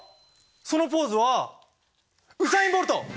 そのポーズはウサイン・ボルト！